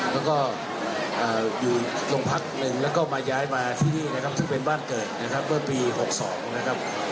แล้วก็อยู่โรงพักหนึ่งแล้วก็มาย้ายมาที่นี่นะครับซึ่งเป็นบ้านเกิดนะครับเมื่อปี๖๒นะครับ